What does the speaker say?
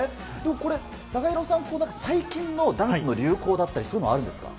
これ、ＴＡＫＡＨＩＲＯさん、最近のダンスの流行だったり、そういうのあるんですか？